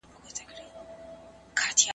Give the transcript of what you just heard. که پاملرنه وي نو تېروتنه نه کیږي.